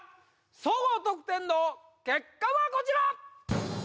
総合得点の結果はこちら！